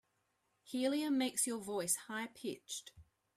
Helium makes your voice high pitched.